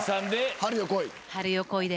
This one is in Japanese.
『春よ、来い』で。